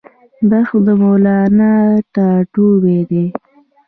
بلخ د مولانا ټاټوبی دی